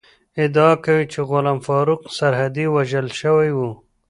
ادعا کوي چې غلام فاروق سرحدی وژل شوی ؤ